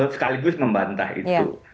sekaligus membantah itu